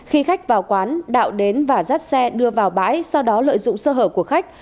khi khách vào quán đạo đến và dắt xe đưa vào bãi sau đó lợi dụng sơ hở của khách